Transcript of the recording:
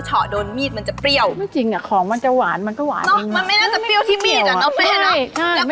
เฉาะให้หนูในสวนได้ไหม